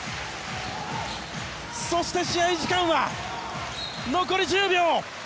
そして、試合時間は残り１０秒。